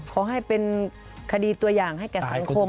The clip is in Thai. ขอให้เป็นคดีตัวอย่างให้แก่สังคม